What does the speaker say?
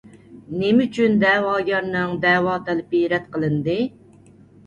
نېمە ئۈچۈن دەۋاگەرنىڭ دەۋا تەلىپى رەت قىلىندى؟